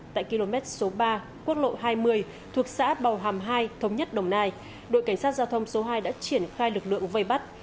tại km số ba quốc lộ hai mươi thuộc xã bào hàm hai thống nhất đồng nai đội cảnh sát giao thông số hai đã triển khai lực lượng vây bắt